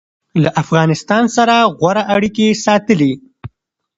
له افغانستان سره غوره اړیکې ساتلي